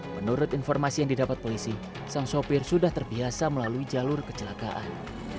menurut informasi yang didapat polisi sang sopir sudah terbiasa melalui jalur kecelakaan